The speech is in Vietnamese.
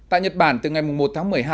tại nhật bản từ ngày một tháng một mươi hai